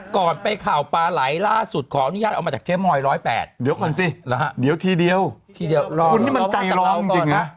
ก่อนไปข่าวปลาไหลล่าสุดขออนุญาตเอามาจากเจ๊มอย๑๐๘เดี๋ยวก่อนสิเดี๋ยวทีเดียวทีเดียวคุณนี่มันใจกับเราจริงนะ